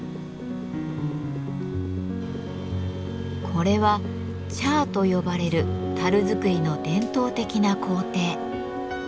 これは「チャー」と呼ばれる樽作りの伝統的な工程。